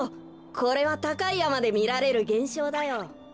これはたかいやまでみられるげんしょうだよ。